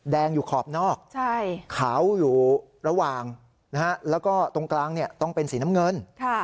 อยู่ขอบนอกขาวอยู่ระหว่างแล้วก็ตรงกลางต้องเป็นสีน้ำเงิน